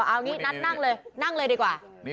เอางี้นัดนั่งเลยนั่งเลยดีกว่า